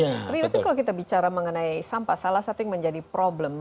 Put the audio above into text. tapi kalau kita bicara mengenai sampah salah satu yang menjadi problem